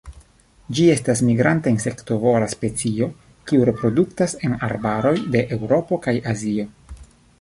Ĝi estas migranta insektovora specio kiu reproduktas en arbaroj de Eŭropo kaj Azio.